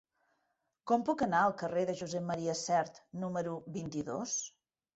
Com puc anar al carrer de Josep M. Sert número vint-i-dos?